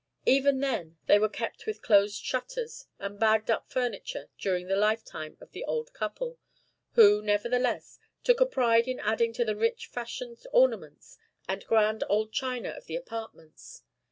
Even then they were kept with closed shutters and bagged up furniture during the lifetime of the old couple, who, nevertheless, took a pride in adding to the rich fashioned ornaments and grand old china of the apartments.